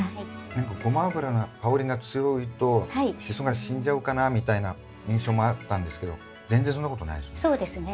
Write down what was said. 何かゴマ油が香りが強いとシソが死んじゃうかなみたいな印象もあったんですけど全然そんなことないですね。